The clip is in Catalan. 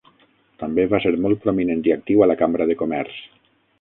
També va ser molt prominent i actiu a la Cambra de Comerç.